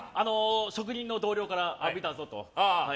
職人の同僚から見たぞと。